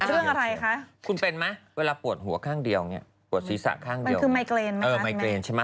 ในเรื่องอะไรคะ